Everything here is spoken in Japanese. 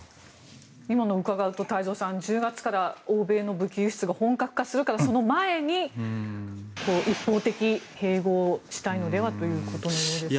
今のを伺うと１０月から欧米の武器輸出が本格化するから、その前に一方的に併合したいのではということのようですが。